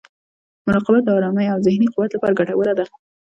مراقبه د ارامۍ او ذهني قوت لپاره ګټوره ده.